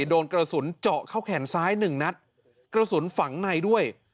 โดนกระสุนเจาะเข้าแขนซ้ายหนึ่งนัดกระสุนฝังในด้วย